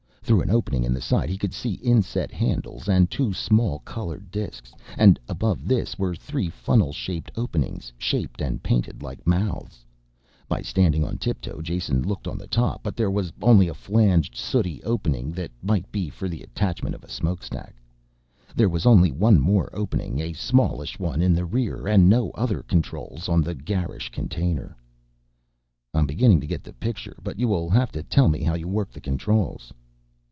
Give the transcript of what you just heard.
Through an opening in the side he could see inset handles and two small colored disks, and above this were three funnel shaped openings shaped and painted like mouths. By standing on tiptoe Jason looked on top but there was only a flanged, sooty opening that must be for attachment of a smokestack. There was only one more opening, a smallish one in the rear, and no other controls on the garish container. "I'm beginning to get the picture, but you will have to tell me how you work the controls."